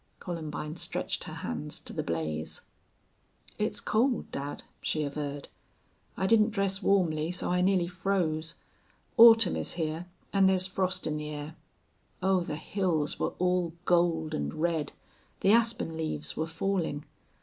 Columbine stretched her hands to the blaze. "It's cold, dad," she averred. "I didn't dress warmly, so I nearly froze. Autumn is here and there's frost in the air. Oh, the hills were all gold and red the aspen leaves were falling.